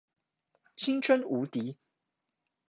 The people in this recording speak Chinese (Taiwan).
青春無敵